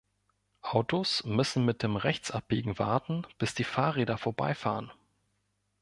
Autos müssen mit dem Rechts abbiegen warten bis die Fahrräder vorbeifahren.